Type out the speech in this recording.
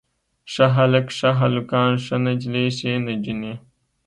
ښه هلک، ښه هلکان، ښه نجلۍ ښې نجونې.